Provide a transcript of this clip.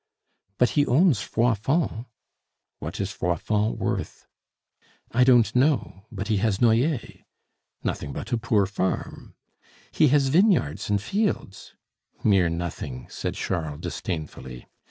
"But he owns Froidfond." "What is Froidfond worth?" "I don't know; but he has Noyers." "Nothing but a poor farm!" "He has vineyards and fields." "Mere nothing," said Charles disdainfully.